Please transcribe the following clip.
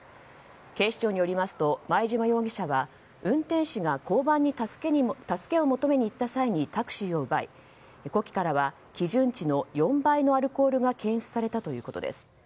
警視庁によりますと前嶋容疑者は運転手が交番に助けを求めに行った際にタクシーを奪い呼気からは基準値の４倍のアルコールが検出されたということです。